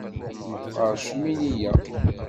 Meqqer ccmini-ya.